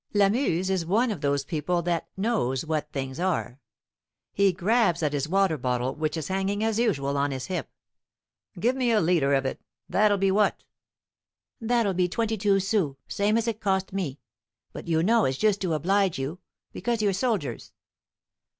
Lamuse is one of those people "that knows what things are." He grabs at his water bottle, which is hanging as usual on his hip. "Give me a liter of it. That'll be what?" "That'll be twenty two sous, same as it cost me. But you know it's just to oblige you, because you're soldiers."